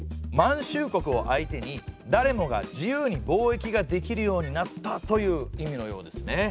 満州国を相手にだれもが自由に貿易ができるようになったという意味のようですね。